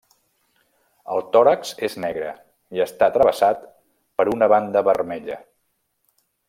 El tòrax és negre i està travessat per una banda vermella.